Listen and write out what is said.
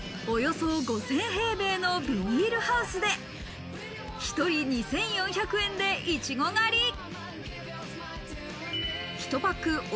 およそ５０００平米のビニールハウスで１人２４００円でいちご狩り。